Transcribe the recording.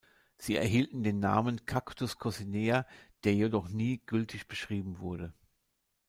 Sie erhielten den Namen "Cactus coccinea", der jedoch nie gültig beschrieben wurde.